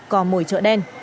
cò mồi chợ đen